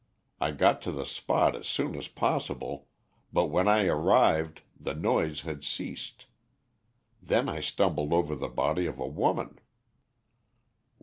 I got to the spot as soon as possible, but when I arrived the noise had ceased. Then I stumbled over the body of a woman."